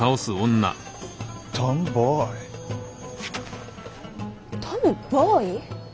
トムボーイ？